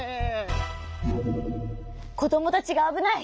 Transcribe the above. こどもたちがあぶない！